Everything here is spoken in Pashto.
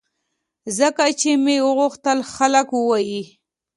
ځکه چې مې غوښتل خلک ووایي